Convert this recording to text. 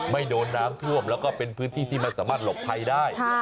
ไม่โดนน้ำท่วมแล้วก็เป็นพื้นที่ที่มันสามารถหลบภัยได้